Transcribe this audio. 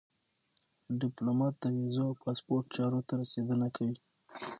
ډيپلومات د ویزو او پاسپورټ چارو ته رسېدنه کوي.